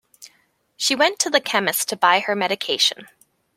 She went to to the chemist to buy her medication